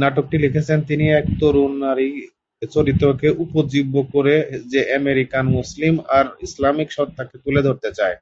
নাটকটি লিখেছেন তিনি এক তরুণ নারী চরিত্রকে উপজীব্য করে যে আমেরিকান মুসলিম তার ইসলামিক সত্ত্বা তুলে ধরতে চায়।